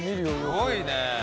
すごいね。